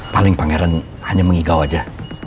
paling pangeran hanya mengigau saja